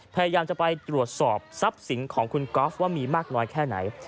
พยายามจะไปตรวจสอบทรัพย์สินของคุณก๊อฟว่ามีมากน้อยแค่ไหน